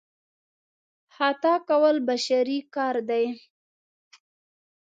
خطا کول بشري کار دی.